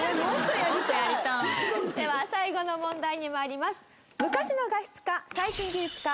では最後の問題に参ります。